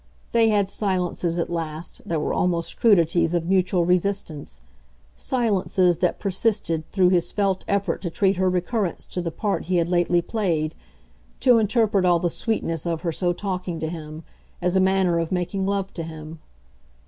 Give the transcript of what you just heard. They had silences, at last, that were almost crudities of mutual resistance silences that persisted through his felt effort to treat her recurrence to the part he had lately played, to interpret all the sweetness of her so talking to him, as a manner of making love to him.